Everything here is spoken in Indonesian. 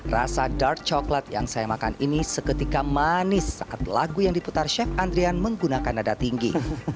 rasa dark coklat yang saya makan ini seketika manis saat lagu yang diputar chef andrian menggunakan nada tinggi